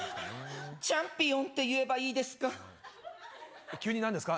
チャンピオンって言えばいいですか？